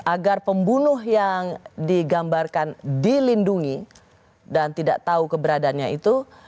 agar pembunuh yang digambarkan dilindungi dan tidak tahu keberadaannya itu